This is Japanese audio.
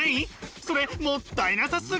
それもったいなさすぎ！